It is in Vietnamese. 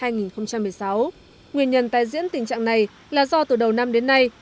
nguyên nhân tai diễn tình trạng này là do từ đầu năm đến nay